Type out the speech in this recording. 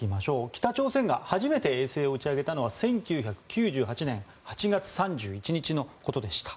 北朝鮮が初めて衛星を打ち上げたのは１９９８年８月３１日のことでした。